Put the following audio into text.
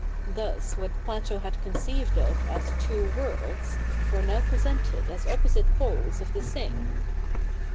Thus what Plato had co?iceived of as two worlds^ were now presented as opposite poles of the same.